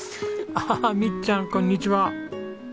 アハハみっちゃんこんにちは。